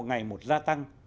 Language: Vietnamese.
ngày một gia tăng